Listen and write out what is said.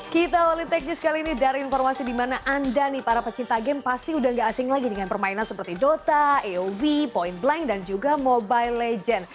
kita awali tech news kali ini dari informasi di mana anda nih para pecinta game pasti udah gak asing lagi dengan permainan seperti dota aov point blank dan juga mobile legends